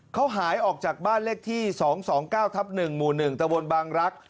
เขาหายออกจากบ้านเลขที่๒๒๙ทับ๑หมู่๑ตะวนบางรัก